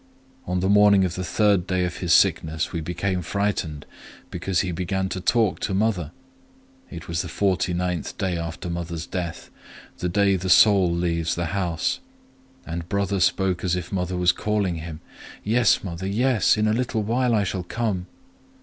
On the morning of the third day of his sickness we became frightened—because he began to talk to mother. It was the forty ninth day after mother's death,—the day the Soul leaves the house;—and brother spoke as if mother was calling him:—'Yes, mother, yes!—in a little while I shall come!'